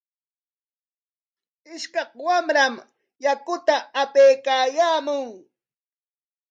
Ishkaq wamra yakuta apaykaayaamun.